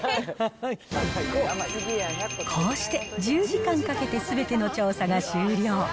こうして、１０時間かけてすべての調査が終了。